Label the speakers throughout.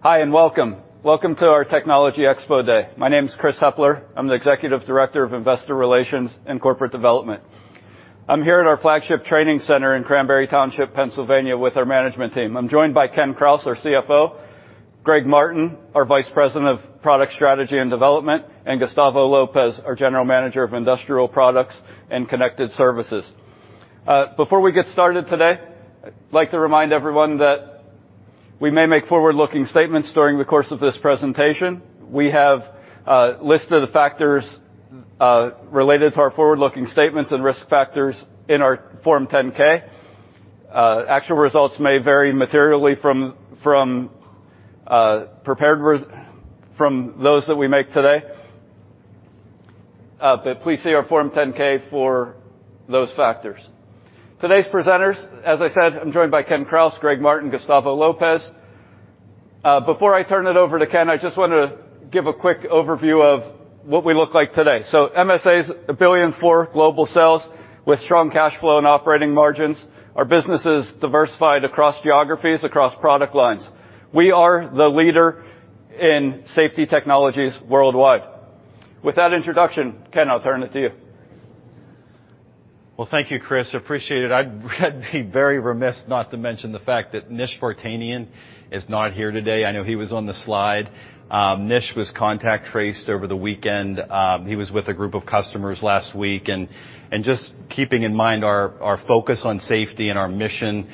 Speaker 1: Hi, and welcome. Welcome to our Technology Expo Day. My name is Chris Hepler. I'm the Executive Director of Investor Relations and Corporate Development. I'm here at our flagship training center in Cranberry Township, Pennsylvania, with our management team. I'm joined by Ken Krause, our CFO, Greg Martin, our Vice President of Product Strategy and Development, and Gustavo Lopez, our General Manager of Industrial Products and Connected Services. Before we get started today, I'd like to remind everyone that we may make forward-looking statements during the course of this presentation. We have listed the factors related to our forward-looking statements and risk factors in our Form 10-K. Actual results may vary materially from those that we make today. Please see our Form 10-K for those factors. Today's presenters, as I said, I'm joined by Ken Krause, Greg Martin, Gustavo Lopez. Before I turn it over to Ken, I just wanna give a quick overview of what we look like today. MSA is a $1.4 billion global sales with strong cash flow and operating margins. Our business is diversified across geographies, across product lines. We are the leader in safety technologies worldwide. With that introduction, Ken, I'll turn it to you.
Speaker 2: Well, thank you, Chris. Appreciate it. I'd be very remiss not to mention the fact that Nish Vartanian is not here today. I know he was on the slide. Nish was contact traced over the weekend. He was with a group of customers last week. Just keeping in mind our focus on safety and our mission,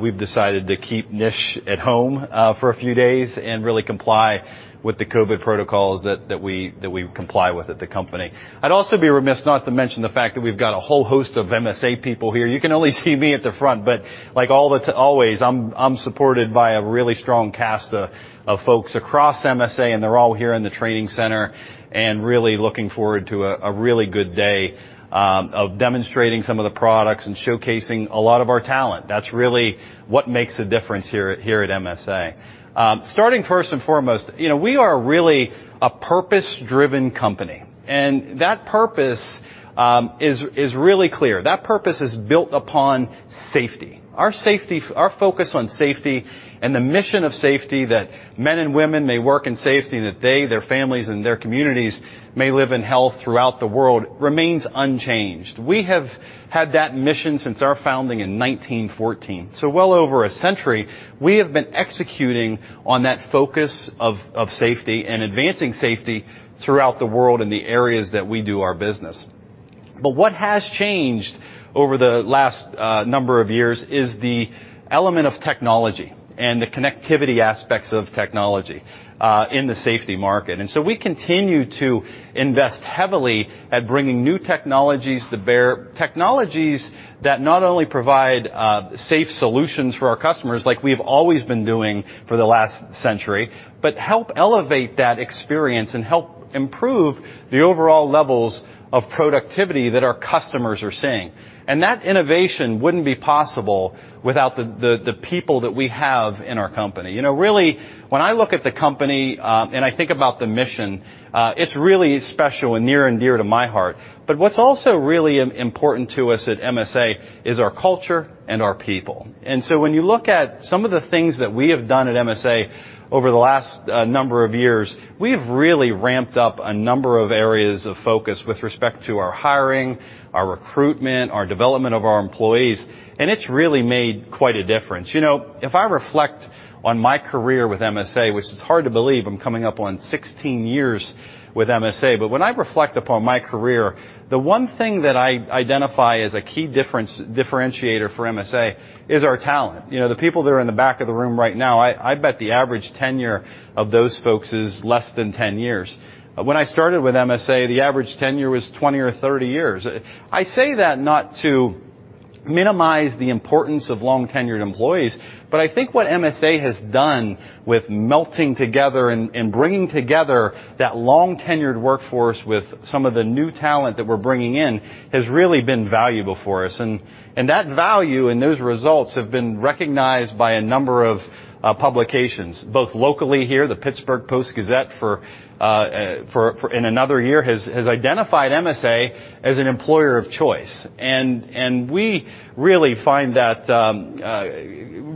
Speaker 2: we've decided to keep Nish at home for a few days and really comply with the COVID protocols that we comply with at the company. I'd also be remiss not to mention the fact that we've got a whole host of MSA people here. You can only see me at the front, but like all the time always, I'm supported by a really strong cast of folks across MSA, and they're all here in the training center and really looking forward to a really good day of demonstrating some of the products and showcasing a lot of our talent. That's really what makes a difference here at MSA. Starting first and foremost, you know, we are really a purpose-driven company, and that purpose is really clear. That purpose is built upon safety. Our focus on safety and the mission of safety that men and women may work in safety and that they, their families, and their communities may live in health throughout the world remains unchanged. We have had that mission since our founding in 1914. Well over a century, we have been executing on that focus of safety and advancing safety throughout the world in the areas that we do our business. What has changed over the last number of years is the element of technology and the connectivity aspects of technology in the safety market. We continue to invest heavily at bringing new technologies to bear, technologies that not only provide safe solutions for our customers like we've always been doing for the last century, but help elevate that experience and help improve the overall levels of productivity that our customers are seeing. That innovation wouldn't be possible without the people that we have in our company. You know, really, when I look at the company, and I think about the mission, it's really special and near and dear to my heart. But what's also really important to us at MSA is our culture and our people. When you look at some of the things that we have done at MSA over the last number of years, we have really ramped up a number of areas of focus with respect to our hiring, our recruitment, our development of our employees, and it's really made quite a difference. You know, if I reflect on my career with MSA, which is hard to believe, I'm coming up on 16 years with MSA, but when I reflect upon my career, the one thing that I identify as a key differentiator for MSA is our talent. You know, the people that are in the back of the room right now, I bet the average tenure of those folks is less than 10 years. When I started with MSA, the average tenure was 20 or 30 years. I say that not to minimize the importance of long-tenured employees, but I think what MSA has done with melting together and bringing together that long-tenured workforce with some of the new talent that we're bringing in has really been valuable for us. That value and those results have been recognized by a number of publications, both locally here, the Pittsburgh Post-Gazette for in another year has identified MSA as an employer of choice. We really find that.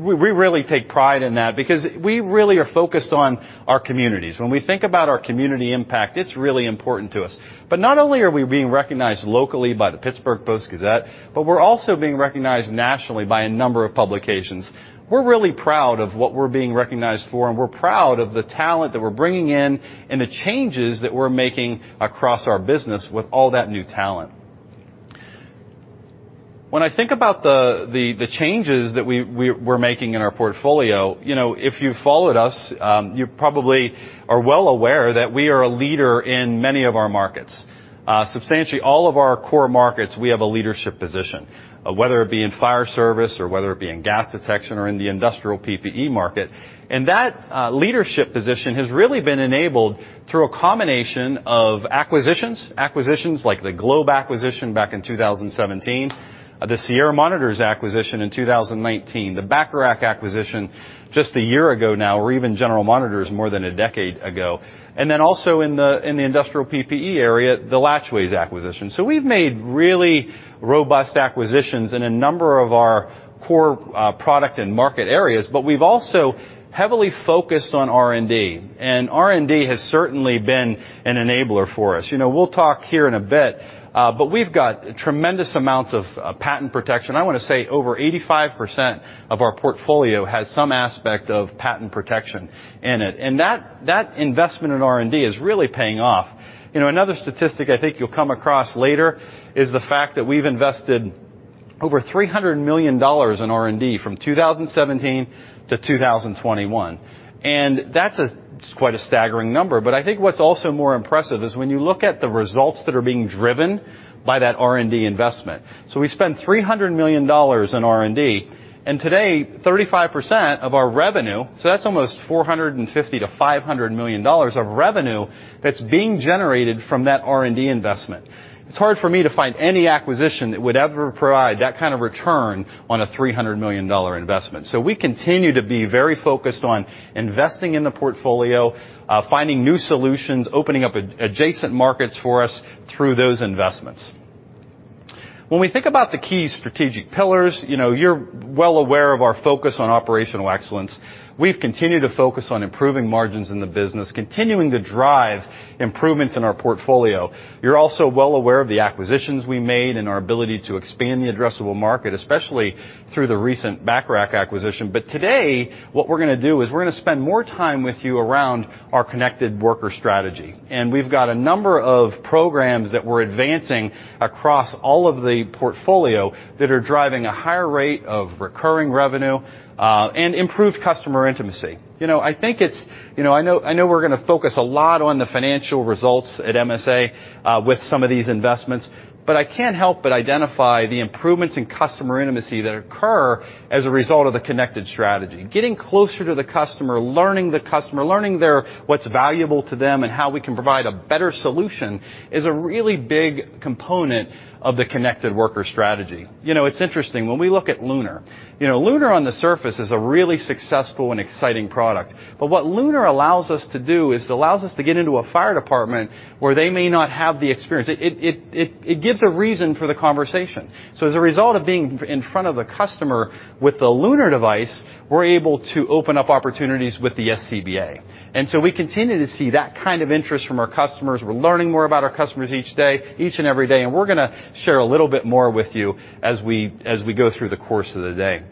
Speaker 2: We really take pride in that because we really are focused on our communities. When we think about our community impact, it's really important to us. Not only are we being recognized locally by the Pittsburgh Post-Gazette, but we're also being recognized nationally by a number of publications. We're really proud of what we're being recognized for, and we're proud of the talent that we're bringing in and the changes that we're making across our business with all that new talent. When I think about the changes that we're making in our portfolio, you know, if you've followed us, you probably are well aware that we are a leader in many of our markets. Substantially all of our core markets, we have a leadership position, whether it be in fire service or whether it be in gas detection or in the industrial PPE market. That leadership position has really been enabled through a combination of acquisitions. Acquisitions like the Globe acquisition back in 2017, the Sierra Monitor acquisition in 2019, the Bacharach acquisition just a year ago now, or even General Monitors more than a decade ago, and then also in the industrial PPE area, the Latchways acquisition. We've made really robust acquisitions in a number of our core product and market areas, but we've also heavily focused on R&D, and R&D has certainly been an enabler for us. You know, we'll talk here in a bit, but we've got tremendous amounts of patent protection. I wanna say over 85% of our portfolio has some aspect of patent protection in it. That investment in R&D is really paying off. You know, another statistic I think you'll come across later is the fact that we've invested over $300 million in R&D from 2017 to 2021. That's a quite a staggering number. I think what's also more impressive is when you look at the results that are being driven by that R&D investment. We spent $300 million in R&D, and today, 35% of our revenue, so that's almost $450 million-$500 million of revenue that's being generated from that R&D investment. It's hard for me to find any acquisition that would ever provide that kind of return on a $300 million investment. We continue to be very focused on investing in the portfolio, finding new solutions, opening up adjacent markets for us through those investments. When we think about the key strategic pillars, you know, you're well aware of our focus on operational excellence. We've continued to focus on improving margins in the business, continuing to drive improvements in our portfolio. You're also well aware of the acquisitions we made and our ability to expand the addressable market, especially through the recent Bacharach acquisition. Today, what we're gonna do is we're gonna spend more time with you around our connected worker strategy. We've got a number of programs that we're advancing across all of the portfolio that are driving a higher rate of recurring revenue, and improved customer intimacy. You know, I think it's. You know, I know we're gonna focus a lot on the financial results at MSA with some of these investments, but I can't help but identify the improvements in customer intimacy that occur as a result of the connected strategy. Getting closer to the customer, learning the customer, learning what's valuable to them and how we can provide a better solution is a really big component of the connected worker strategy. You know, it's interesting. When we look at LUNAR, you know, LUNAR on the surface is a really successful and exciting product. What LUNAR allows us to do is it allows us to get into a fire department where they may not have the experience. It gives a reason for the conversation. As a result of being in front of a customer with the LUNAR device, we're able to open up opportunities with the SCBA. We continue to see that kind of interest from our customers. We're learning more about our customers each day, each and every day, and we're gonna share a little bit more with you as we go through the course of the day.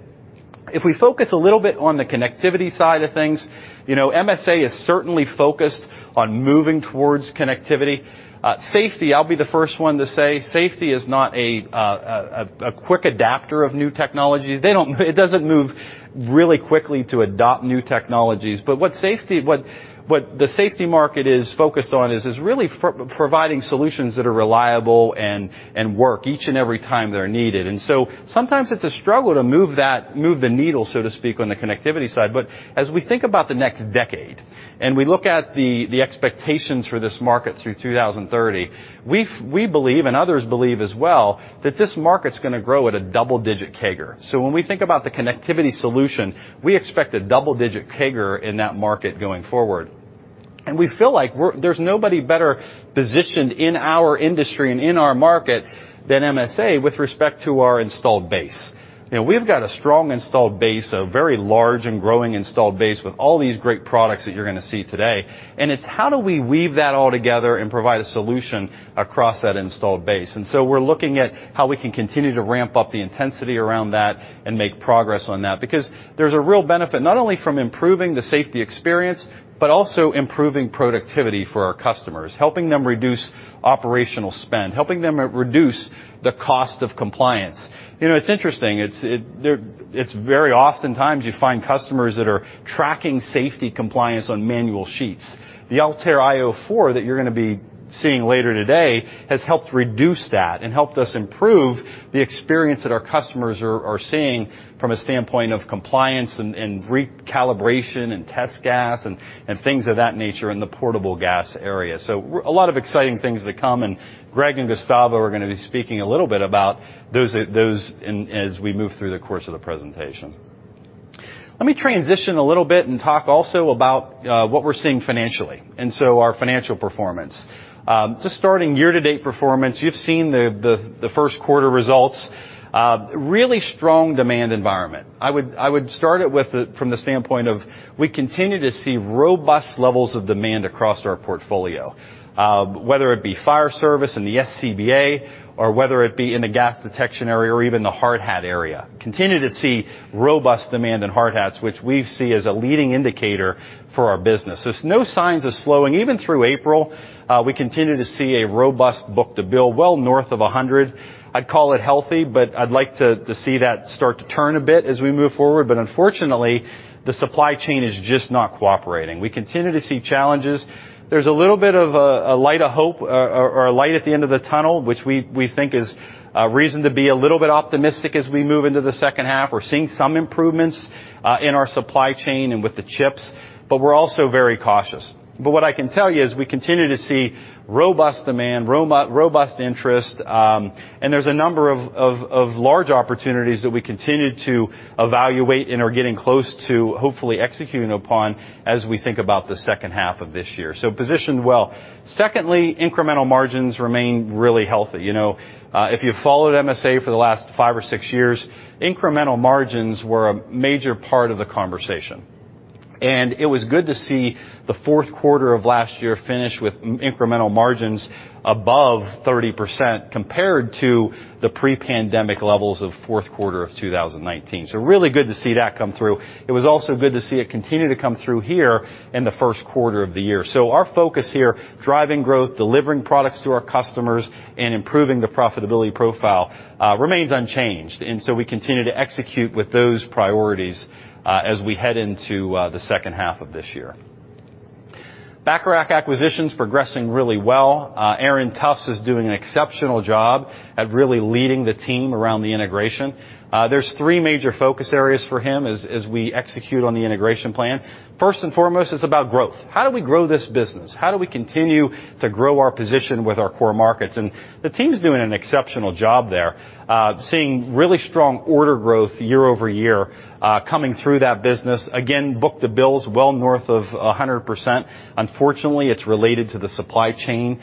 Speaker 2: If we focus a little bit on the connectivity side of things, you know, MSA is certainly focused on moving towards connectivity. Safety, I'll be the first one to say, safety is not a quick adopter of new technologies. It doesn't move really quickly to adopt new technologies. What the safety market is focused on is really providing solutions that are reliable and work each and every time they're needed. Sometimes it's a struggle to move the needle, so to speak, on the connectivity side. As we think about the next decade, and we look at the expectations for this market through 2030, we believe, and others believe as well, that this market's gonna grow at a double-digit CAGR. When we think about the connectivity solution, we expect a double-digit CAGR in that market going forward. We feel like there's nobody better positioned in our industry and in our market than MSA with respect to our installed base. You know, we've got a strong installed base, a very large and growing installed base with all these great products that you're gonna see today. It's how do we weave that all together and provide a solution across that installed base. We're looking at how we can continue to ramp up the intensity around that and make progress on that. Because there's a real benefit, not only from improving the safety experience, but also improving productivity for our customers, helping them reduce operational spend, helping them reduce the cost of compliance. You know, it's interesting. It's very oftentimes you find customers that are tracking safety compliance on manual sheets. The ALTAIR io 4 that you're gonna be seeing later today has helped reduce that and helped us improve the experience that our customers are seeing from a standpoint of compliance and recalibration and test gas and things of that nature in the portable gas area. A lot of exciting things to come, and Greg and Gustavo are gonna be speaking a little bit about those as we move through the course of the presentation. Let me transition a little bit and talk also about what we're seeing financially, and our financial performance. Just starting year-to-date performance, you've seen the Q1 results. Really strong demand environment. I would start it from the standpoint of we continue to see robust levels of demand across our portfolio, whether it be fire service in the SCBA or whether it be in the gas detection area or even the hard hat area. Continue to see robust demand in hard hats, which we see as a leading indicator for our business. There's no signs of slowing. Even through April, we continue to see a robust book-to-bill, well north of 100. I'd call it healthy, but I'd like to see that start to turn a bit as we move forward. Unfortunately, the supply chain is just not cooperating. We continue to see challenges. There's a little bit of a light of hope or a light at the end of the tunnel, which we think is a reason to be a little bit optimistic as we move into the second half. We're seeing some improvements in our supply chain and with the chips, but we're also very cautious. What I can tell you is we continue to see robust demand, robust interest, and there's a number of large opportunities that we continue to evaluate and are getting close to hopefully executing upon as we think about the second half of this year. Positioned well. Secondly, incremental margins remain really healthy. You know, if you followed MSA for the last five or six years, incremental margins were a major part of the conversation. It was good to see the Q4 of last year finish with incremental margins above 30% compared to the pre-pandemic levels of Q4 of 2019. Really good to see that come through. It was also good to see it continue to come through here in the Q1 of the year. Our focus here, driving growth, delivering products to our customers, and improving the profitability profile, remains unchanged. We continue to execute with those priorities as we head into the second half of this year. Bacharach acquisition's progressing really well. Aaron Tufts is doing an exceptional job at really leading the team around the integration. There's three major focus areas for him as we execute on the integration plan. First and foremost, it's about growth. How do we grow this business? How do we continue to grow our position with our core markets? The team's doing an exceptional job there, seeing really strong order growth year over year, coming through that business. Again, book-to-bill's well north of 100%. Unfortunately, it's related to the supply chain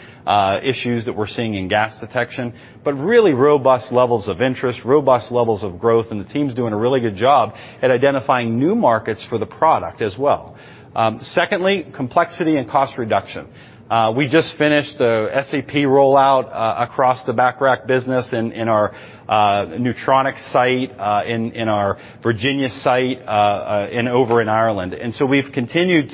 Speaker 2: issues that we're seeing in gas detection, but really robust levels of interest, robust levels of growth, and the team's doing a really good job at identifying new markets for the product as well. Secondly, complexity and cost reduction. We just finished the SAP rollout across the Bacharach business in our Neutronics site, in our Virginia site, and over in Ireland. We've continued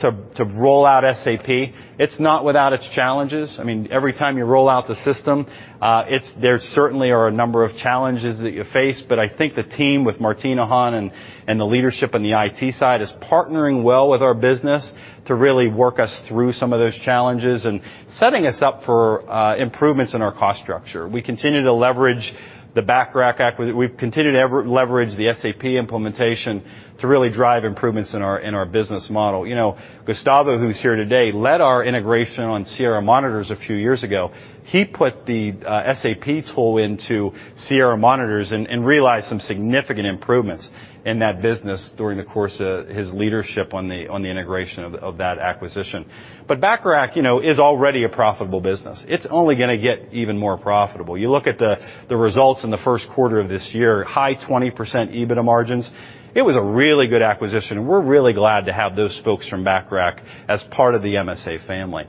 Speaker 2: to roll out SAP. It's not without its challenges. I mean, every time you roll out the system, there certainly are a number of challenges that you face, but I think the team with Martina Hahn and the leadership on the IT side is partnering well with our business to really work us through some of those challenges and setting us up for improvements in our cost structure. We continue to leverage the Bacharach. We've continued to leverage the SAP implementation to really drive improvements in our business model. You know, Gustavo, who's here today, led our integration on Sierra Monitor a few years ago. He put the SAP tool into Sierra Monitor and realized some significant improvements in that business during the course of his leadership on the integration of that acquisition. But Bacharach, you know, is already a profitable business. It's only gonna get even more profitable. You look at the results in the first quarter of this year, high 20% EBITDA margins. It was a really good acquisition, and we're really glad to have those folks from Bacharach as part of the MSA family.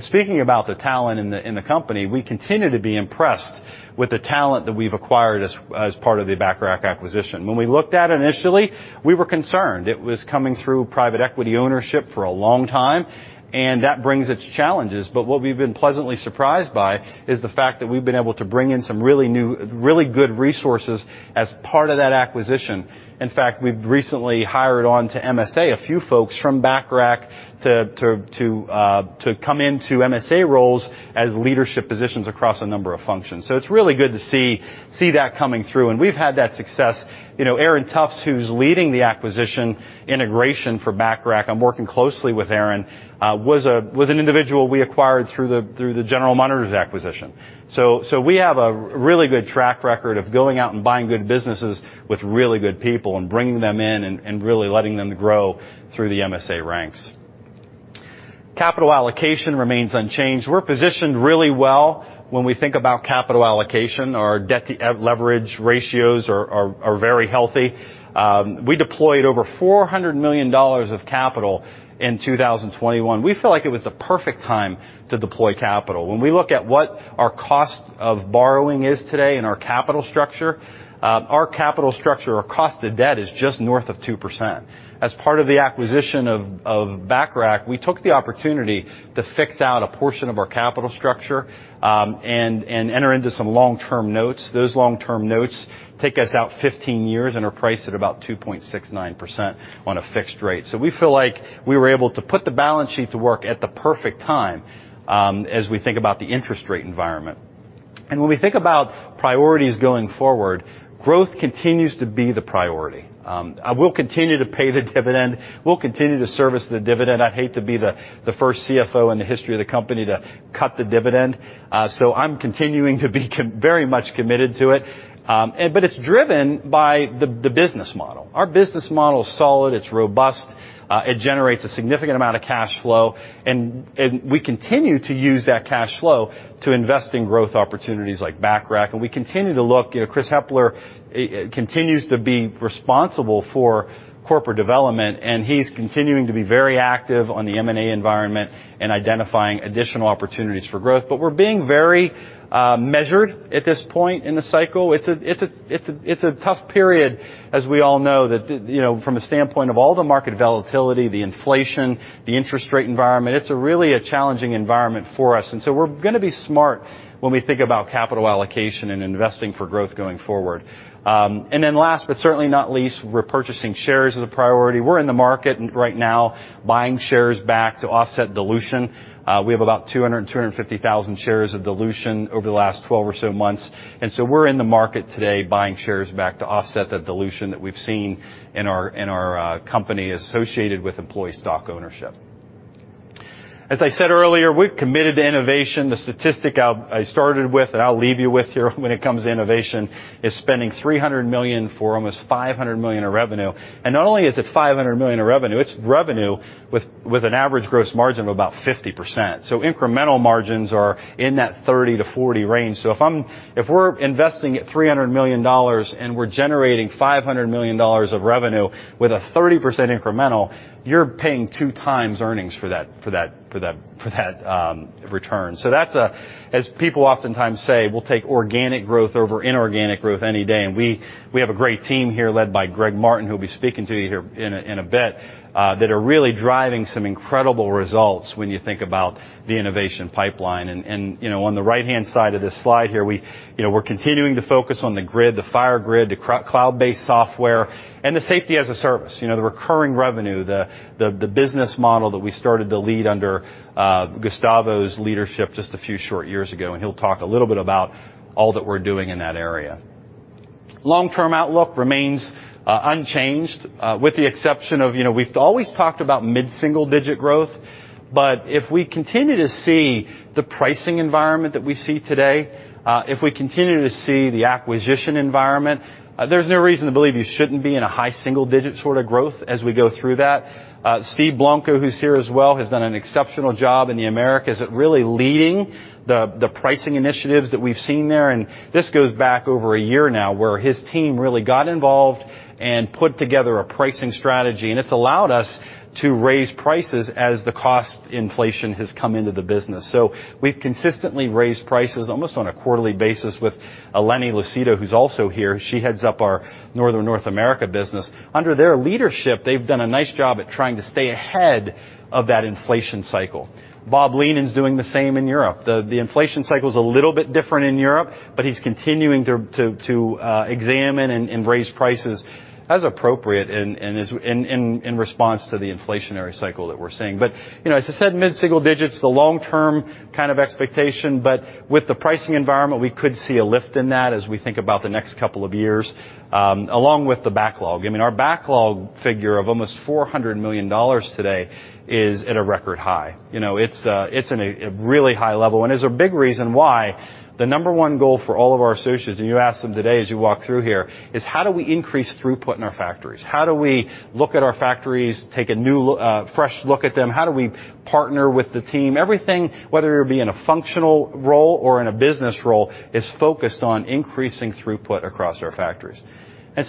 Speaker 2: Speaking about the talent in the company, we continue to be impressed with the talent that we've acquired as part of the Bacharach acquisition. When we looked at it initially, we were concerned. It was coming through private equity ownership for a long time, and that brings its challenges. What we've been pleasantly surprised by is the fact that we've been able to bring in some really new, really good resources as part of that acquisition. In fact, we've recently hired on to MSA a few folks from Bacharach to come into MSA roles as leadership positions across a number of functions. It's really good to see that coming through, and we've had that success. You know, Aaron Tufts, who's leading the acquisition integration for Bacharach, I'm working closely with Aaron, was an individual we acquired through the General Monitors acquisition. So we have a really good track record of going out and buying good businesses with really good people and bringing them in and really letting them grow through the MSA ranks. Capital allocation remains unchanged. We're positioned really well when we think about capital allocation. Our debt to leverage ratios are very healthy. We deployed over $400 million of capital in 2021. We feel like it was the perfect time to deploy capital. When we look at what our cost of borrowing is today in our capital structure, our cost of debt is just north of 2%. As part of the acquisition of Bacharach, we took the opportunity to fix out a portion of our capital structure, and enter into some long-term notes. Those long-term notes take us out 15 years and are priced at about 2.69% on a fixed rate. We feel like we were able to put the balance sheet to work at the perfect time, as we think about the interest rate environment. When we think about priorities going forward, growth continues to be the priority. We'll continue to pay the dividend. We'll continue to service the dividend. I'd hate to be the first CFO in the history of the company to cut the dividend. So I'm continuing to be very much committed to it. But it's driven by the business model. Our business model is solid, it's robust, it generates a significant amount of cash flow, and we continue to use that cash flow to invest in growth opportunities like Bacharach. We continue to look. You know, Chris Hepler continues to be responsible for corporate development, and he's continuing to be very active on the M&A environment and identifying additional opportunities for growth. We're being very measured at this point in the cycle. It's a tough period, as we all know, you know, from a standpoint of all the market volatility, the inflation, the interest rate environment. It's really a challenging environment for us. We're gonna be smart when we think about capital allocation and investing for growth going forward. Last but certainly not least, repurchasing shares is a priority. We're in the market right now buying shares back to offset dilution. We have about 200,000-250,000 shares of dilution over the last 12 or so months. We're in the market today buying shares back to offset the dilution that we've seen in our company associated with employee stock ownership. As I said earlier, we're committed to innovation. The statistic I started with and I'll leave you with here when it comes to innovation is spending $300 million for almost $500 million of revenue. Not only is it $500 million of revenue, it's revenue with an average gross margin of about 50%. Incremental margins are in that 30%-40% range. If we're investing at $300 million and we're generating $500 million of revenue with a 30% incremental, you're paying 2x earnings for that return. That's a, as people oftentimes say, we'll take organic growth over inorganic growth any day. We have a great team here led by Greg Martin, who'll be speaking to you here in a bit, that are really driving some incredible results when you think about the innovation pipeline. You know, on the right-hand side of this slide here, we, you know, we're continuing to focus on the grid, the FireGrid, the cloud-based software, and the safety as a service, you know, the recurring revenue, the business model that we started to lead under Gustavo's leadership just a few short years ago. He'll talk a little bit about all that we're doing in that area. Long-term outlook remains unchanged, with the exception of, you know, we've always talked about mid-single digit growth. If we continue to see the pricing environment that we see today, if we continue to see the acquisition environment, there's no reason to believe you shouldn't be in a high single digit sort of growth as we go through that. Steve Blanco, who's here as well, has done an exceptional job in the Americas at really leading the pricing initiatives that we've seen there, and this goes back over a year now, where his team really got involved and put together a pricing strategy, and it's allowed us to raise prices as the cost inflation has come into the business. We've consistently raised prices almost on a quarterly basis with Eleni Lucido, who's also here. She heads up our Northern North America business. Under their leadership, they've done a nice job at trying to stay ahead of that inflation cycle. Bob Leenen's doing the same in Europe. The inflation cycle is a little bit different in Europe, but he's continuing to examine and raise prices as appropriate and is in response to the inflationary cycle that we're seeing. You know, as I said, mid-single digits, the long-term kind of expectation, but with the pricing environment, we could see a lift in that as we think about the next couple of years, along with the backlog. I mean, our backlog figure of almost $400 million today is at a record high. You know, it's in a really high level and is a big reason why the number one goal for all of our associates, and you ask them today as you walk through here, is how do we increase throughput in our factories? How do we look at our factories, take a fresh look at them? How do we partner with the team? Everything, whether it be in a functional role or in a business role, is focused on increasing throughput across our factories.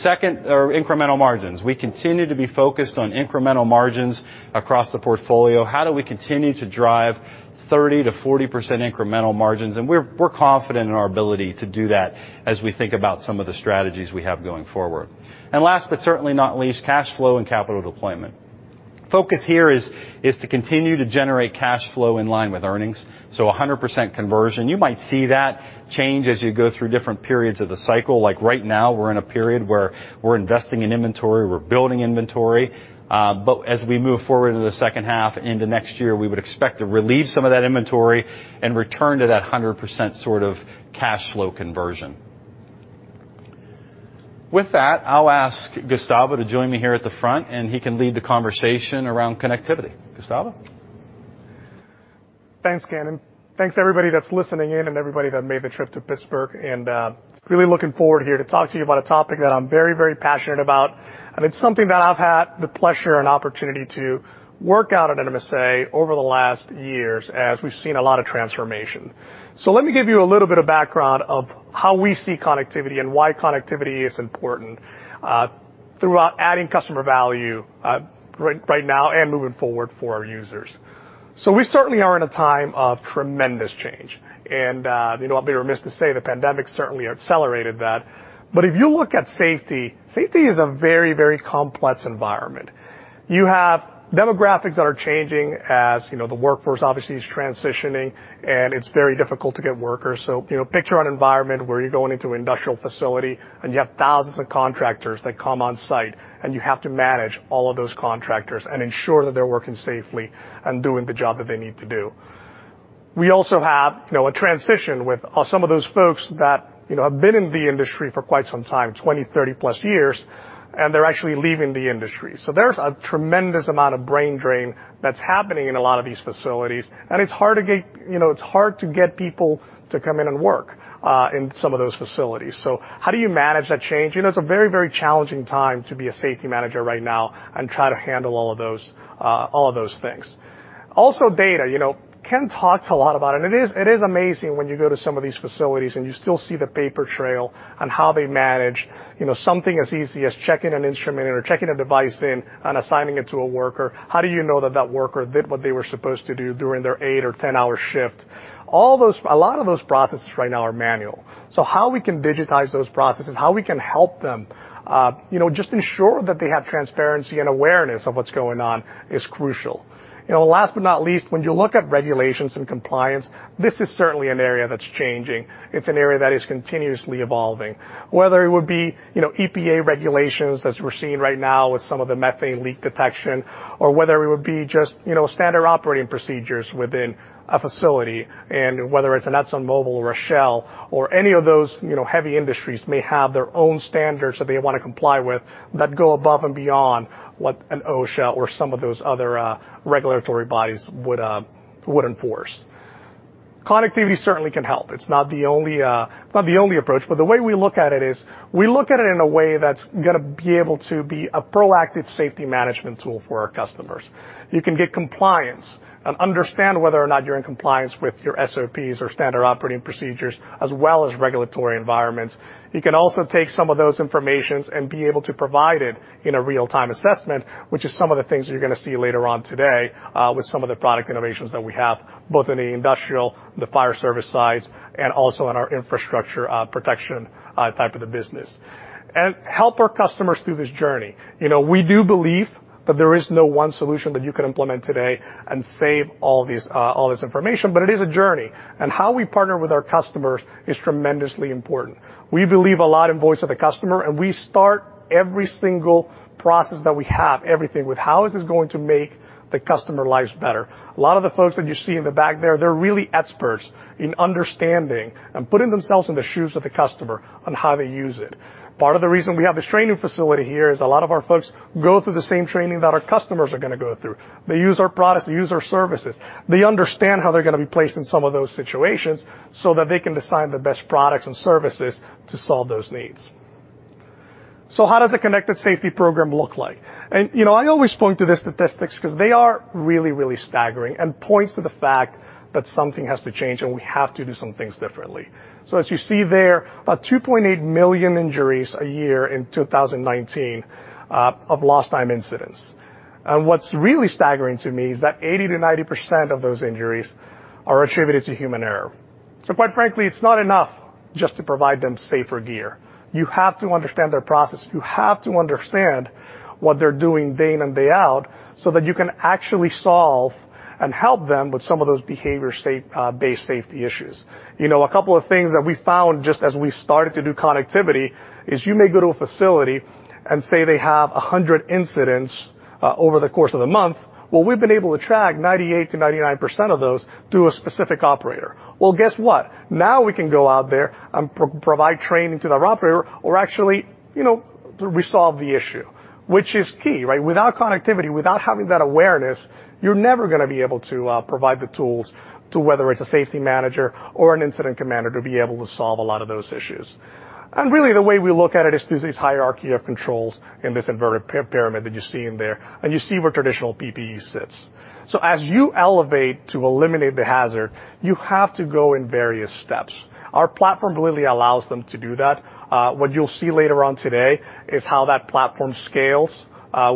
Speaker 2: Second are incremental margins. We continue to be focused on incremental margins across the portfolio. How do we continue to drive 30%-40% incremental margins? We're confident in our ability to do that as we think about some of the strategies we have going forward. Last, but certainly not least, cash flow and capital deployment. Focus here is to continue to generate cash flow in line with earnings, so 100% conversion. You might see that change as you go through different periods of the cycle. Like right now, we're in a period where we're investing in inventory, we're building inventory, but as we move forward into the second half into next year, we would expect to relieve some of that inventory and return to that 100% sort of cash flow conversion. With that, I'll ask Gustavo to join me here at the front, and he can lead the conversation around connectivity. Gustavo.
Speaker 3: Thanks, Ken. Thanks everybody that's listening in and everybody that made the trip to Pittsburgh, and really looking forward here to talk to you about a topic that I'm very, very passionate about, and it's something that I've had the pleasure and opportunity to work out at MSA over the last years as we've seen a lot of transformation. Let me give you a little bit of background of how we see connectivity and why connectivity is important throughout adding customer value, right now and moving forward for our users. We certainly are in a time of tremendous change. You know, I'll be remiss to say the pandemic certainly accelerated that. If you look at safety is a very, very complex environment. You have demographics that are changing as, you know, the workforce obviously is transitioning, and it's very difficult to get workers. You know, picture an environment where you're going into an industrial facility and you have thousands of contractors that come on site, and you have to manage all of those contractors and ensure that they're working safely and doing the job that they need to do. We also have, you know, a transition with some of those folks that, you know, have been in the industry for quite some time, 20, 30+ years, and they're actually leaving the industry. There's a tremendous amount of brain drain that's happening in a lot of these facilities, and it's hard to get, you know, it's hard to get people to come in and work in some of those facilities. How do you manage that change? You know, it's a very, very challenging time to be a safety manager right now and try to handle all of those things. Also, data, you know, Ken talked a lot about it. It is amazing when you go to some of these facilities and you still see the paper trail on how they manage, you know, something as easy as checking an instrument or checking a device in and assigning it to a worker. How do you know that worker did what they were supposed to do during their eight or 10 hour shift? A lot of those processes right now are manual. How we can digitize those processes, how we can help them, you know, just ensure that they have transparency and awareness of what's going on is crucial. You know, last but not least, when you look at regulations and compliance, this is certainly an area that's changing. It's an area that is continuously evolving. Whether it would be, you know, EPA regulations, as we're seeing right now with some of the methane leak detection, or whether it would be just, you know, standard operating procedures within a facility, and whether it's an ExxonMobil or a Shell or any of those, you know, heavy industries may have their own standards that they wanna comply with that go above and beyond what an OSHA or some of those other regulatory bodies would enforce. Connectivity certainly can help. It's not the only approach, but the way we look at it is, we look at it in a way that's gonna be able to be a proactive safety management tool for our customers. You can get compliance and understand whether or not you're in compliance with your SOPs or standard operating procedures, as well as regulatory environments. You can also take some of that information and be able to provide it in a real-time assessment, which is some of the things you're gonna see later on today, with some of the product innovations that we have, both in the industrial, the fire service sides, and also in our infrastructure, protection, type of the business. Help our customers through this journey. You know, we do believe that there is no one solution that you can implement today and save all this information, but it is a journey, and how we partner with our customers is tremendously important. We believe a lot in voice of the customer, and we start every single process that we have, everything, with how is this going to make the customer lives better? A lot of the folks that you see in the back there, they're really experts in understanding and putting themselves in the shoes of the customer on how they use it. Part of the reason we have this training facility here is a lot of our folks go through the same training that our customers are gonna go through. They use our products, they use our services. They understand how they're gonna be placed in some of those situations so that they can decide the best products and services to solve those needs. How does a connected safety program look like? You know, I always point to the statistics because they are really, really staggering and points to the fact that something has to change, and we have to do some things differently. As you see there, about 2,800,000 injuries a year in 2019 of lost time incidents. What's really staggering to me is that 80%-90% of those injuries are attributed to human error. Quite frankly, it's not enough just to provide them safer gear. You have to understand their process. You have to understand what they're doing day in and day out so that you can actually solve and help them with some of those behavior-based safety issues. You know, a couple of things that we found just as we started to do connectivity is you may go to a facility and say they have 100 incidents over the course of the month. Well, we've been able to track 98%-99% of those to a specific operator. Well, guess what? Now we can go out there and provide training to that operator or actually, you know, resolve the issue, which is key, right? Without connectivity, without having that awareness, you're never gonna be able to provide the tools to, whether it's a safety manager or an incident commander, to be able to solve a lot of those issues. Really, the way we look at it is through this hierarchy of controls in this inverted pyramid that you're seeing there, and you see where traditional PPE sits. As you elevate to eliminate the hazard, you have to go in various steps. Our platform really allows them to do that. What you'll see later on today is how that platform scales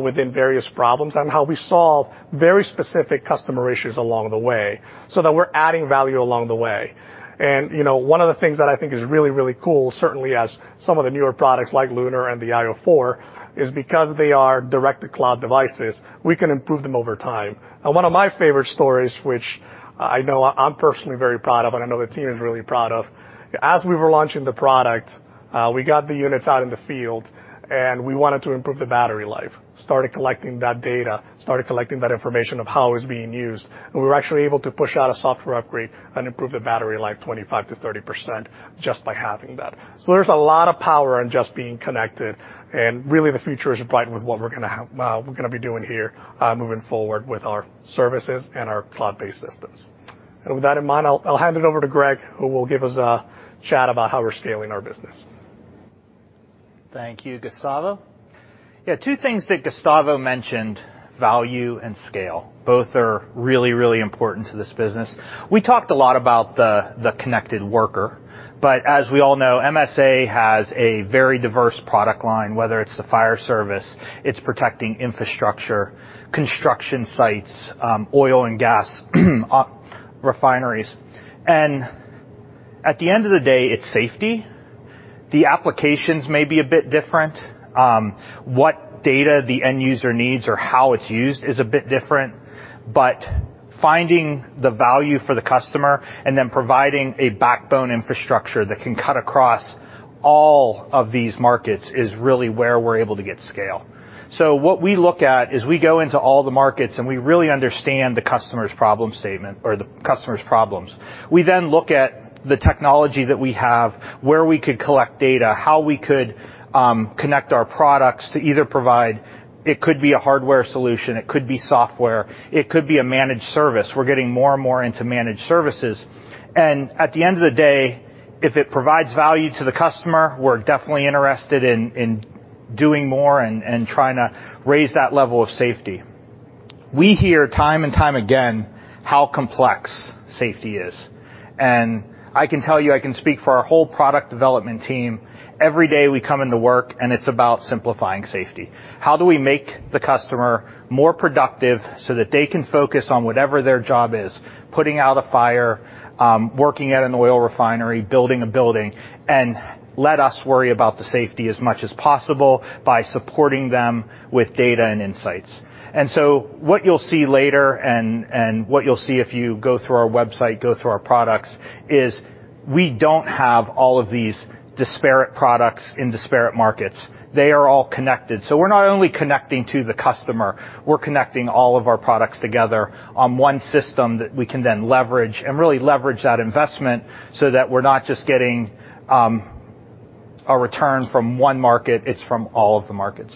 Speaker 3: within various problems and how we solve very specific customer issues along the way so that we're adding value along the way. You know, one of the things that I think is really, really cool, certainly as some of the newer products like LUNAR and the io4, is because they are direct-to-cloud devices, we can improve them over time. One of my favorite stories, which I know I'm personally very proud of, and I know the team is really proud of, as we were launching the product, we got the units out in the field, and we wanted to improve the battery life, started collecting that data and information of how it was being used, and we were actually able to push out a software upgrade and improve the battery life 25%-30% just by having that. So there's a lot of power in just being connected, and really the future is bright with what we're gonna have. We're gonna be doing here, moving forward with our services and our cloud-based systems. With that in mind, I'll hand it over to Greg, who will give us a chat about how we're scaling our business.
Speaker 4: Thank you, Gustavo. Yeah, two things that Gustavo mentioned, value and scale. Both are really, really important to this business. We talked a lot about the connected worker, but as we all know, MSA has a very diverse product line, whether it's the fire service, it's protecting infrastructure, construction sites, oil and gas, refineries. At the end of the day, it's safety. The applications may be a bit different. What data the end user needs or how it's used is a bit different. But finding the value for the customer and then providing a backbone infrastructure that can cut across all of these markets is really where we're able to get scale. What we look at is we go into all the markets, and we really understand the customer's problem statement or the customer's problems. We look at the technology that we have, where we could collect data, how we could connect our products to either provide. It could be a hardware solution. It could be software. It could be a managed service. We're getting more and more into managed services. At the end of the day, if it provides value to the customer, we're definitely interested in doing more and trying to raise that level of safety. We hear time and time again how complex safety is, and I can tell you, I can speak for our whole product development team. Every day we come into work, and it's about simplifying safety. How do we make the customer more productive so that they can focus on whatever their job is, putting out a fire, working at an oil refinery, building a building, and let us worry about the safety as much as possible by supporting them with data and insights. What you'll see later and what you'll see if you go through our website, go through our products, is we don't have all of these disparate products in disparate markets. They are all connected. We're not only connecting to the customer, we're connecting all of our products together on one system that we can then leverage and really leverage that investment so that we're not just getting a return from one market, it's from all of the markets.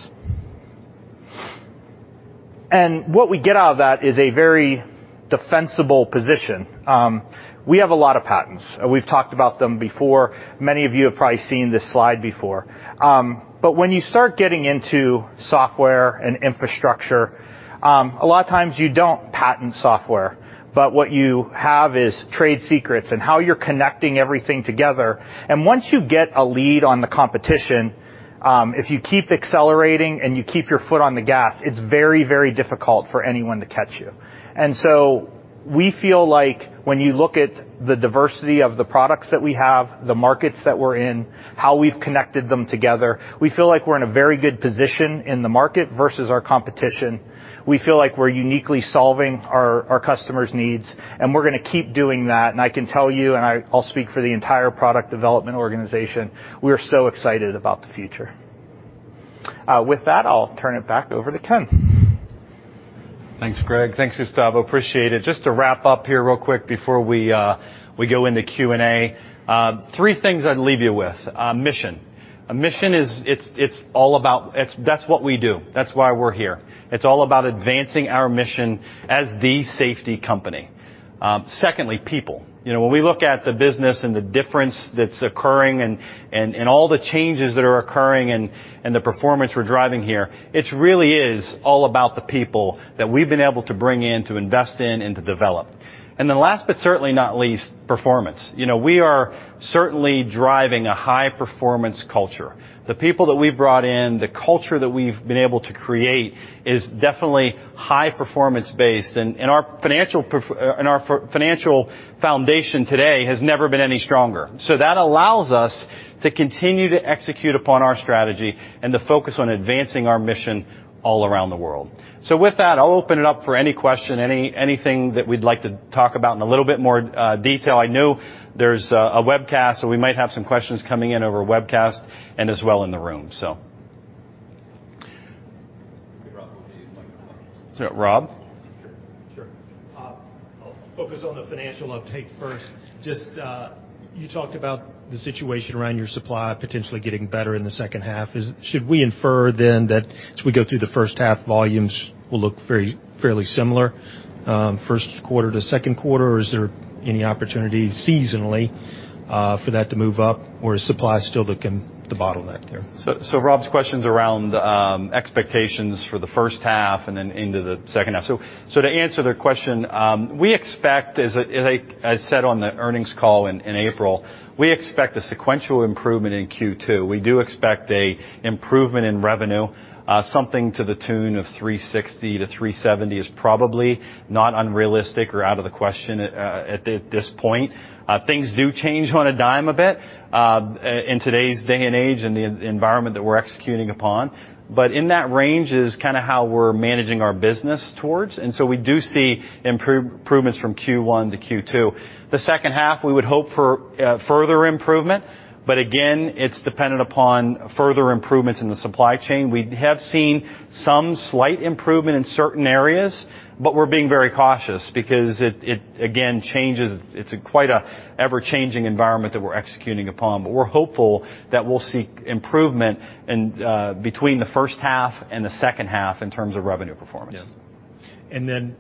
Speaker 4: What we get out of that is a very defensible position. We have a lot of patents. We've talked about them before. Many of you have probably seen this slide before. When you start getting into software and infrastructure, a lot of times you don't patent software, but what you have is trade secrets and how you're connecting everything together. Once you get a lead on the competition, if you keep accelerating and you keep your foot on the gas, it's very, very difficult for anyone to catch you. We feel like when you look at the diversity of the products that we have, the markets that we're in, how we've connected them together, we feel like we're in a very good position in the market versus our competition. We feel like we're uniquely solving our customers' needs, and we're gonna keep doing that. I can tell you. I'll speak for the entire product development organization. We are so excited about the future. With that, I'll turn it back over to Ken.
Speaker 2: Thanks, Greg. Thanks, Gustavo. Appreciate it. Just to wrap up here real quick before we go into Q&A. Three things I'd leave you with. Mission. It's all about. That's what we do. That's why we're here. It's all about advancing our mission as the safety company. Secondly, people. You know, when we look at the business and the difference that's occurring and all the changes that are occurring and the performance we're driving here, it really is all about the people that we've been able to bring in, to invest in and to develop. Then last but certainly not least, performance. You know, we are certainly driving a high-performance culture. The people that we've brought in, the culture that we've been able to create is definitely high-performance based. Our financial foundation today has never been any stronger. That allows us to continue to execute upon our strategy and to focus on advancing our mission all around the world. With that, I'll open it up for any question, anything that we'd like to talk about in a little bit more detail. I know there's a webcast, so we might have some questions coming in over webcast and as well in the room, so. Hey, Rob.
Speaker 5: Sure. I'll focus on the financial uptake first. Just, you talked about the situation around your supply potentially getting better in the second half. Should we infer then that as we go through the first half, volumes will look very, fairly similar, Q1 to Q2, or is there any opportunity seasonally, for that to move up, or is supply still the bottleneck there?
Speaker 2: Rob's question's around expectations for the first half and then into the second half. To answer the question, we expect, as I said on the earnings call in April, we expect a sequential improvement in Q2. We do expect a improvement in revenue. Something to the tune of $360-$370 is probably not unrealistic or out of the question at this point. Things do change on a dime a bit in today's day and age and the environment that we're executing upon. But in that range is kinda how we're managing our business towards. We do see improvements from Q1 to Q2. The second half, we would hope for further improvement, but again, it's dependent upon further improvements in the supply chain. We have seen some slight improvement in certain areas, but we're being very cautious because it, again, changes. It's quite a ever-changing environment that we're executing upon. We're hopeful that we'll see improvement in between the first half and the second half in terms of revenue performance.
Speaker 5: Yeah. Then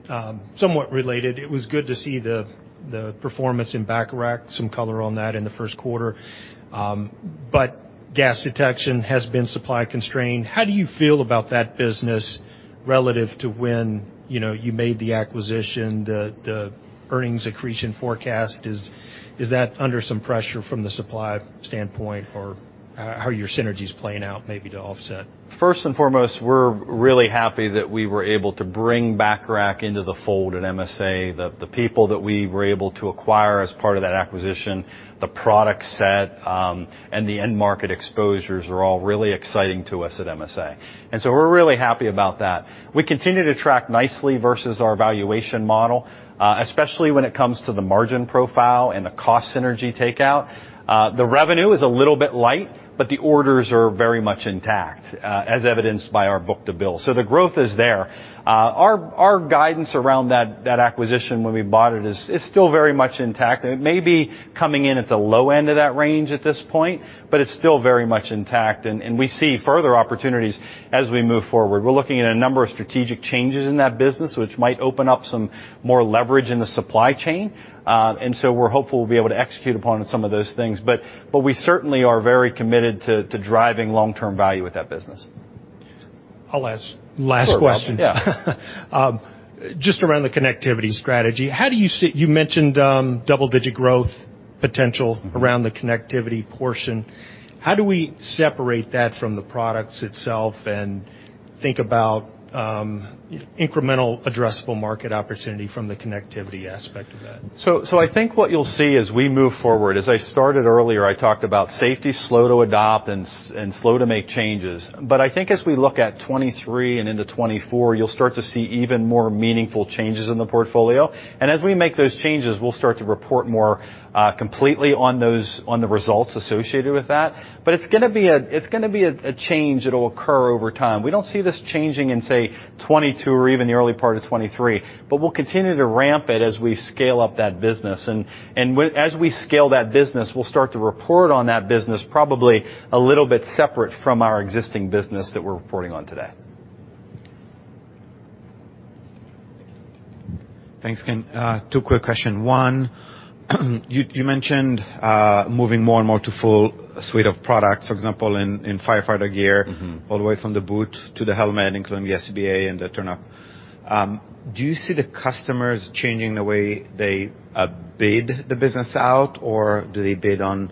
Speaker 5: somewhat related, it was good to see the performance in Bacharach, some color on that in the Q1. But gas detection has been supply constrained. How do you feel about that business relative to when, you know, you made the acquisition, the earnings accretion forecast? Is that under some pressure from the supply standpoint or how are your synergies playing out maybe to offset?
Speaker 2: First and foremost, we're really happy that we were able to bring Bacharach into the fold at MSA. The people that we were able to acquire as part of that acquisition, the product set, and the end market exposures are all really exciting to us at MSA. We're really happy about that. We continue to track nicely versus our valuation model, especially when it comes to the margin profile and the cost synergy takeout. The revenue is a little bit light, but the orders are very much intact, as evidenced by our book-to-bill. The growth is there. Our guidance around that acquisition when we bought it is still very much intact. It may be coming in at the low end of that range at this point, but it's still very much intact, and we see further opportunities as we move forward. We're looking at a number of strategic changes in that business, which might open up some more leverage in the supply chain. We're hopeful we'll be able to execute upon some of those things. We certainly are very committed to driving long-term value with that business.
Speaker 5: I'll ask last question.
Speaker 2: Yeah.
Speaker 5: Just around the connectivity strategy, you mentioned double-digit growth potential around the connectivity portion. How do we separate that from the products itself and think about incremental addressable market opportunity from the connectivity aspect of that?
Speaker 2: I think what you'll see as we move forward, as I started earlier, I talked about safety, slow to adopt and slow to make changes. I think as we look at 2023 and into 2024, you'll start to see even more meaningful changes in the portfolio. As we make those changes, we'll start to report more completely on those, on the results associated with that. It's gonna be a change that'll occur over time. We don't see this changing in, say, 2022 or even the early part of 2023, but we'll continue to ramp it as we scale up that business. As we scale that business, we'll start to report on that business probably a little bit separate from our existing business that we're reporting on today.
Speaker 6: Thanks, Ken. Two quick question. One, you mentioned moving more and more to full suite of products, for example, in firefighter gear-
Speaker 2: Mm-hmm.
Speaker 6: All the way from the boot to the helmet, including the SCBA and the turnout. Do you see the customers changing the way they bid the business out, or do they bid on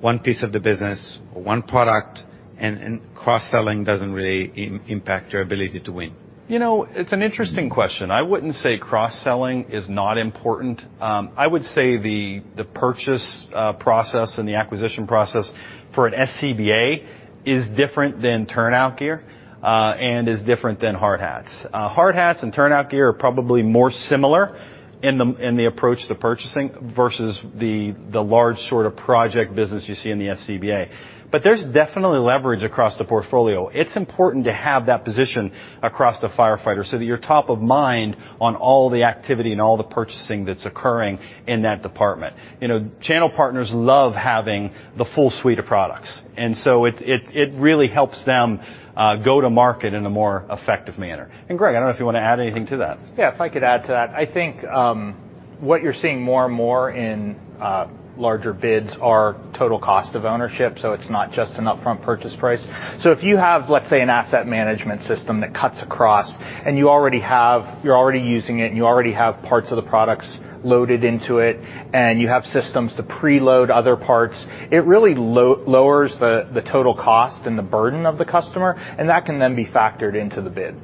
Speaker 6: one piece of the business or one product and cross-selling doesn't really impact your ability to win?
Speaker 2: You know, it's an interesting question. I wouldn't say cross-selling is not important. I would say the purchase process and the acquisition process for an SCBA is different than turnout gear and is different than hard hats. Hard hats and turnout gear are probably more similar in the approach to purchasing versus the large sort of project business you see in the SCBA. There's definitely leverage across the portfolio. It's important to have that position across the firefighter so that you're top of mind on all the activity and all the purchasing that's occurring in that department. You know, channel partners love having the full suite of products. So it really helps them go to market in a more effective manner. Greg, I don't know if you wanna add anything to that.
Speaker 4: Yeah, if I could add to that. I think what you're seeing more and more in larger bids are total cost of ownership, so it's not just an upfront purchase price. If you have, let's say, an asset management system that cuts across and you're already using it, and you already have parts of the products loaded into it, and you have systems to preload other parts, it really lowers the total cost and the burden of the customer, and that can then be factored into the bid.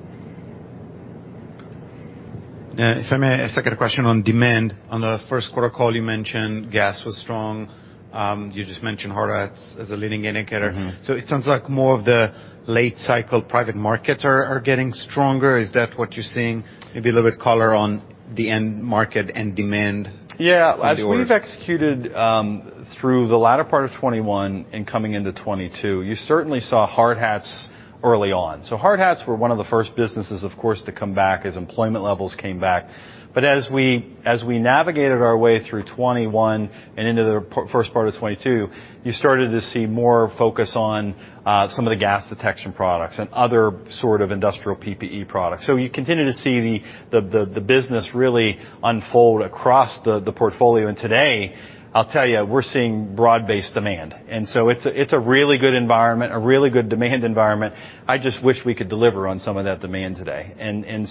Speaker 6: Yeah, if I may, a second question on demand. On the Q1 call, you mentioned gas was strong. You just mentioned hard hats as a leading indicator.
Speaker 2: Mm-hmm.
Speaker 6: It sounds like more of the late cycle private markets are getting stronger. Is that what you're seeing? Maybe a little bit color on the end market and demand going forward.
Speaker 2: Yeah. As we've executed through the latter part of 2021 and coming into 2022, you certainly saw hard hats early on. Hard hats were one of the first businesses, of course, to come back as employment levels came back. As we navigated our way through 2021 and into the first part of 2022, you started to see more focus on some of the gas detection products and other sort of industrial PPE products. You continue to see the business really unfold across the portfolio. Today, I'll tell you, we're seeing broad-based demand. It's a really good environment, a really good demand environment. I just wish we could deliver on some of that demand today. We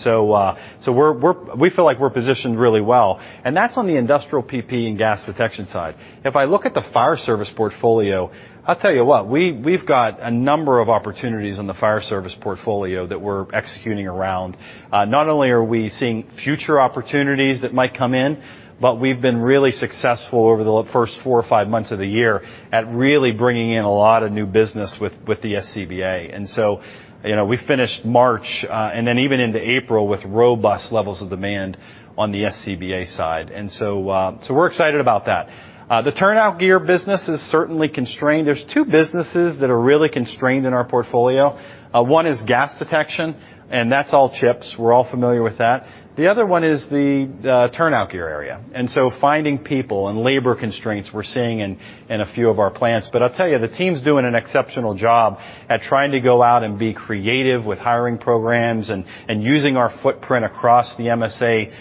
Speaker 2: feel like we're positioned really well. That's on the industrial PPE and gas detection side. If I look at the fire service portfolio, I'll tell you what, we've got a number of opportunities on the fire service portfolio that we're executing around. Not only are we seeing future opportunities that might come in, but we've been really successful over the first four or five months of the year at really bringing in a lot of new business with the SCBA. You know, we finished March and then even into April with robust levels of demand on the SCBA side. We're excited about that. The turnout gear business is certainly constrained. There's two businesses that are really constrained in our portfolio. One is gas detection, and that's all chips. We're all familiar with that. The other one is the turnout gear area, finding people and labor constraints we're seeing in a few of our plants. I'll tell you, the team's doing an exceptional job at trying to go out and be creative with hiring programs and using our footprint across the MSA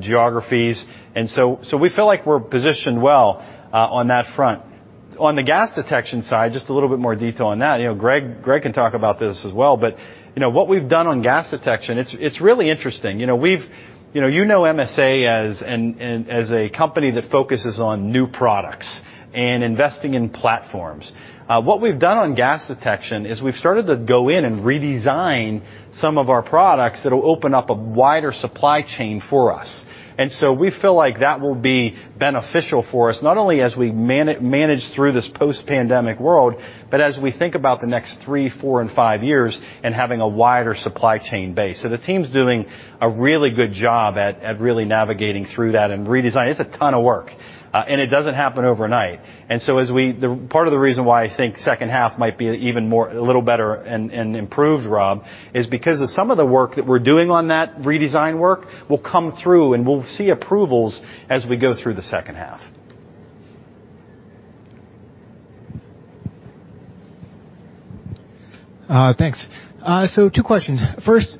Speaker 2: geographies. We feel like we're positioned well on that front. On the gas detection side, just a little bit more detail on that. You know, Greg can talk about this as well, but you know, what we've done on gas detection, it's really interesting. You know, we've you know MSA as a company that focuses on new products and investing in platforms. What we've done on gas detection is we've started to go in and redesign some of our products that'll open up a wider supply chain for us. We feel like that will be beneficial for us, not only as we manage through this post-pandemic world, but as we think about the next three, four, and five years and having a wider supply chain base. The team's doing a really good job really navigating through that and redesign. It's a ton of work, and it doesn't happen overnight. The part of the reason why I think second half might be even more, a little better and improved, Rob, is because of some of the work that we're doing on that redesign work will come through, and we'll see approvals as we go through the second half.
Speaker 7: Thanks. Two questions. First,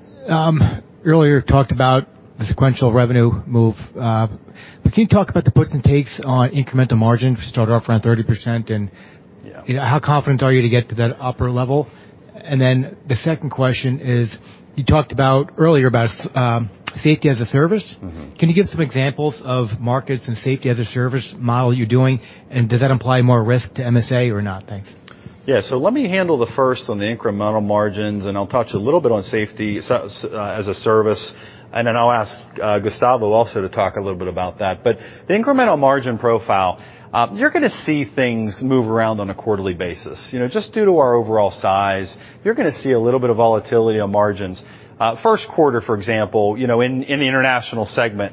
Speaker 7: earlier talked about the sequential revenue move. Can you talk about the puts and takes on incremental margin, which started off around 30%, and
Speaker 2: Yeah.
Speaker 7: You know, how confident are you to get to that upper level? The second question is, you talked about earlier, safety as a service.
Speaker 2: Mm-hmm.
Speaker 7: Can you give some examples of markets and safety as a service model you're doing, and does that imply more risk to MSA or not? Thanks.
Speaker 2: Yeah. Let me handle the first on the incremental margins, and I'll touch a little bit on safety as a service, and then I'll ask Gustavo also to talk a little bit about that. The incremental margin profile, you're gonna see things move around on a quarterly basis. You know, just due to our overall size, you're gonna see a little bit of volatility on margins. Q1, for example, you know, in the international segment,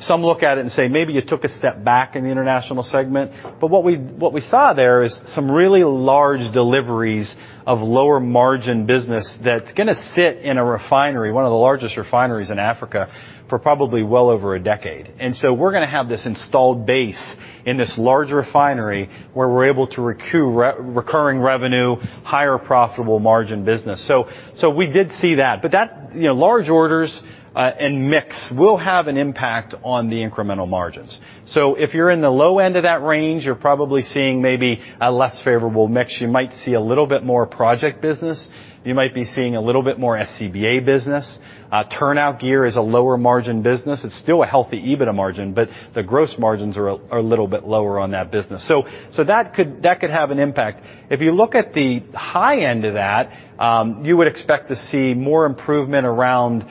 Speaker 2: some look at it and say, "Maybe you took a step back in the international segment." What we saw there is some really large deliveries of lower margin business that's gonna sit in a refinery, one of the largest refineries in Africa, for probably well over a decade. We're gonna have this installed base in this large refinery where we're able to recurring revenue, higher profitable margin business. We did see that. That large orders and mix will have an impact on the incremental margins. If you're in the low end of that range, you're probably seeing maybe a less favorable mix. You might see a little bit more project business. You might be seeing a little bit more SCBA business. Turnout gear is a lower margin business. It's still a healthy EBITDA margin, but the gross margins are a little bit lower on that business. That could have an impact. If you look at the high end of that, you would expect to see more improvement around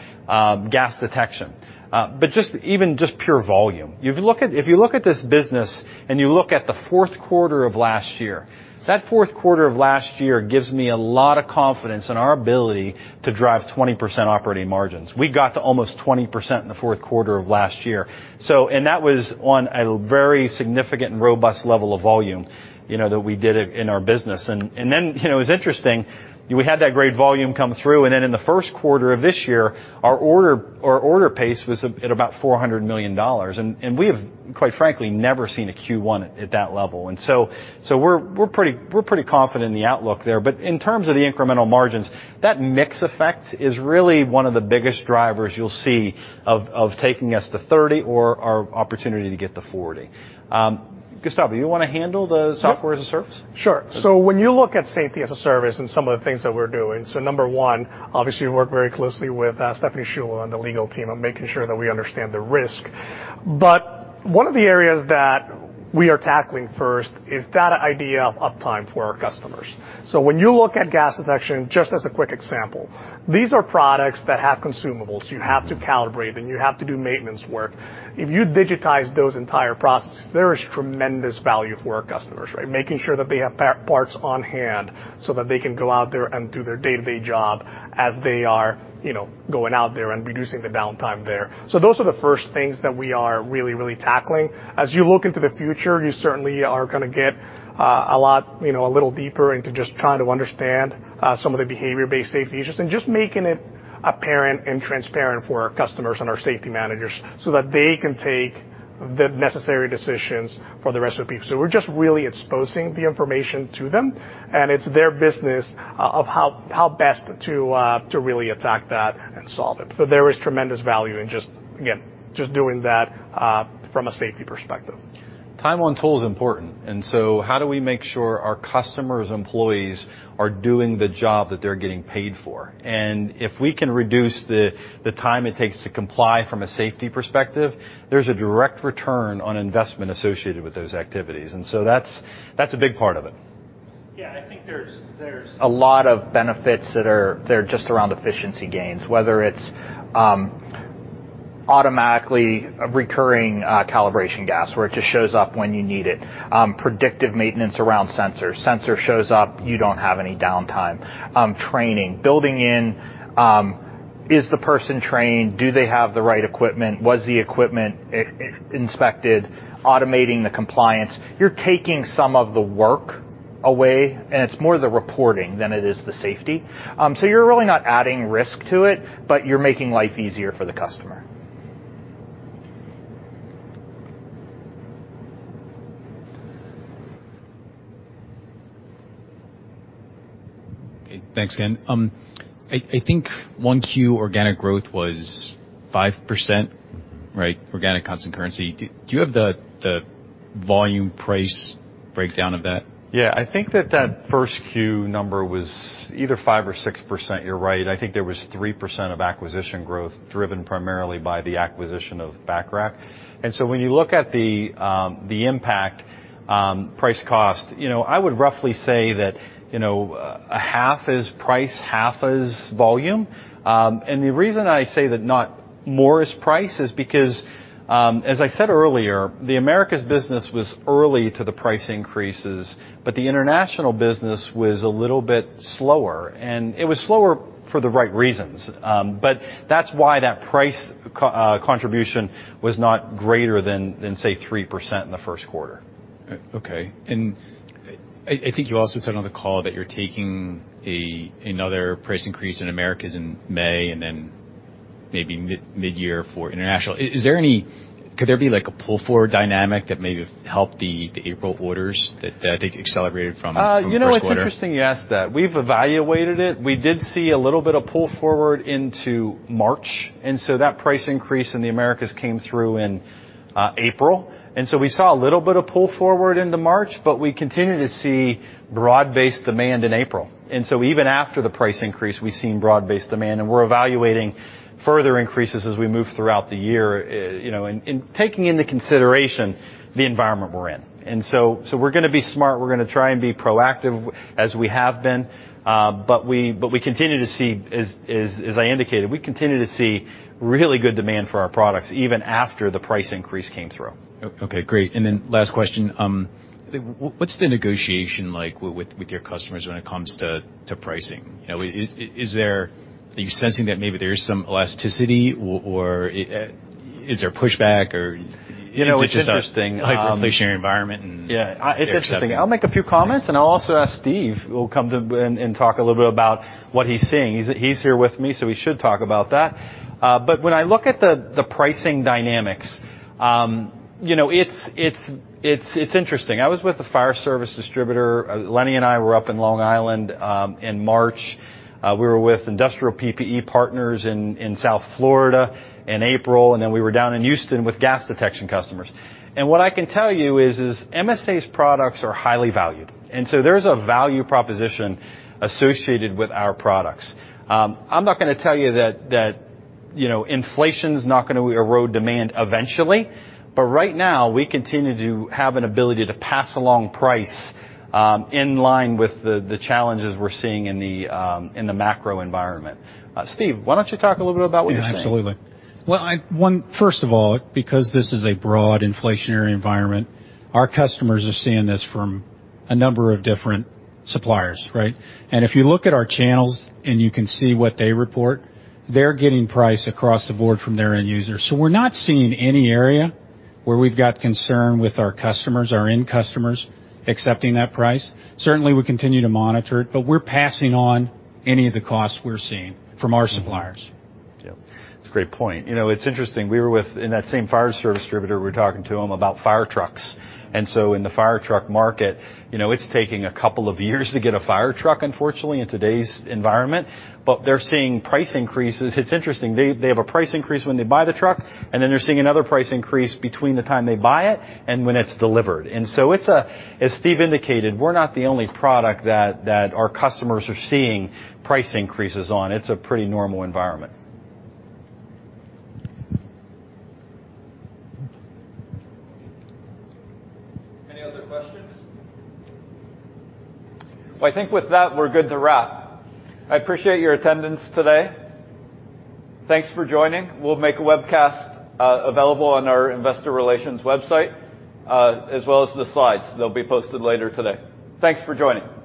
Speaker 2: gas detection, but even pure volume. If you look at this business and you look at the Q4 of last year, that Q4 of last year gives me a lot of confidence in our ability to drive 20% operating margins. We got to almost 20% in the Q4 of last year. That was on a very significant and robust level of volume, you know, that we did it in our business. You know, it was interesting, we had that great volume come through, and then in the Q1 of this year, our order pace was at about $400 million. We have, quite frankly, never seen a Q1 at that level. We're pretty confident in the outlook there. In terms of the incremental margins, that mix effect is really one of the biggest drivers you'll see of taking us to 30% or our opportunity to get to 40%. Gustavo, you wanna handle the safety as a service?
Speaker 3: Sure. When you look at safety as a service and some of the things that we're doing, so number one, obviously, we work very closely with Stephanie Sciullo on the legal team on making sure that we understand the risk. One of the areas that we are tackling first is that idea of uptime for our customers. When you look at gas detection, just as a quick example, these are products that have consumables. You have to calibrate, and you have to do maintenance work. If you digitize those entire processes, there is tremendous value for our customers, right? Making sure that they have parts on hand so that they can go out there and do their day-to-day job as they are, you know, going out there and reducing the downtime there. Those are the first things that we are really tackling. As you look into the future, you certainly are gonna get, a lot, you know, a little deeper into just trying to understand, some of the behavior-based safety issues, and just making it apparent and transparent for our customers and our safety managers so that they can take the necessary decisions for the rest of the people. We're just really exposing the information to them, and it's their business of how best to really attack that and solve it. There is tremendous value in just, again, just doing that, from a safety perspective.
Speaker 2: Time on tool is important, and so how do we make sure our customers' employees are doing the job that they're getting paid for? If we can reduce the time it takes to comply from a safety perspective, there's a direct return on investment associated with those activities. That's a big part of it.
Speaker 4: Yeah, I think there's a lot of benefits that are there just around efficiency gains, whether it's automatically recurring calibration gas, where it just shows up when you need it. Predictive maintenance around sensors. Sensor shows up, you don't have any downtime. Training. Building in, is the person trained? Do they have the right equipment? Was the equipment inspected? Automating the compliance. You're taking some of the work away, and it's more the reporting than it is the safety. You're really not adding risk to it, but you're making life easier for the customer.
Speaker 8: Okay. Thanks again. I think 1Q organic growth was 5%, right? Organic constant currency. Do you have the volume price breakdown of that?
Speaker 2: Yeah. I think that first Q number was either 5% or 6%. You're right. I think there was 3% of acquisition growth driven primarily by the acquisition of Bacharach. When you look at the impact, price cost, you know, I would roughly say that, you know, half is price, half is volume. The reason I say that not more is price is because, as I said earlier, the Americas business was early to the price increases, but the international business was a little bit slower. It was slower for the right reasons. That's why that price contribution was not greater than, say, 3% in the Q1.
Speaker 8: Okay. I think you also said on the call that you're taking another price increase in Americas in May, and then maybe midyear for international. Is there any. Could there be, like, a pull-forward dynamic that maybe helped the April orders that I think accelerated from Q1?
Speaker 2: You know, it's interesting you ask that. We've evaluated it. We did see a little bit of pull forward into March, and so that price increase in the Americas came through in April. We saw a little bit of pull forward into March, but we continue to see broad-based demand in April. Even after the price increase, we've seen broad-based demand, and we're evaluating further increases as we move throughout the year, you know, and taking into consideration the environment we're in. We're gonna be smart. We're gonna try and be proactive as we have been, but we continue to see. As I indicated, we continue to see really good demand for our products even after the price increase came through.
Speaker 8: Okay. Great. Then last question. What's the negotiation like with your customers when it comes to pricing? You know, is there. Are you sensing that maybe there is some elasticity or is there pushback or-
Speaker 2: You know, it's interesting.
Speaker 8: It's just our hyperinflationary environment and.
Speaker 2: Yeah.
Speaker 8: Okay.
Speaker 2: It's interesting. I'll make a few comments, and I'll also ask Steve, who will come up and talk a little bit about what he's seeing. He's here with me, so he should talk about that. But when I look at the pricing dynamics, you know, it's interesting. I was with a fire service distributor. Eleni and I were up in Long Island in March. We were with Industrial PPE Partners in South Florida in April, and then we were down in Houston with gas detection customers. What I can tell you is MSA's products are highly valued, and so there's a value proposition associated with our products. I'm not gonna tell you that you know, inflation's not gonna erode demand eventually, but right now, we continue to have an ability to pass along price in line with the challenges we're seeing in the macro environment. Steve, why don't you talk a little bit about what you're seeing?
Speaker 9: Yeah, absolutely. Well, one, first of all, because this is a broad inflationary environment, our customers are seeing this from a number of different suppliers, right? If you look at our channels and you can see what they report, they're getting price across the board from their end users. We're not seeing any area where we've got concern with our customers, our end customers accepting that price. Certainly, we continue to monitor it, but we're passing on any of the costs we're seeing from our suppliers.
Speaker 2: Yeah. It's a great point. You know, it's interesting. In that same fire service distributor, we were talking to them about fire trucks. In the fire truck market, you know, it's taking a couple of years to get a fire truck, unfortunately, in today's environment. They're seeing price increases. It's interesting. They have a price increase when they buy the truck, and then they're seeing another price increase between the time they buy it and when it's delivered. As Steve indicated, we're not the only product that our customers are seeing price increases on. It's a pretty normal environment.
Speaker 1: Any other questions?
Speaker 2: Well, I think with that, we're good to wrap. I appreciate your attendance today. Thanks for joining. We'll make a webcast available on our investor relations website, as well as the slides. They'll be posted later today. Thanks for joining.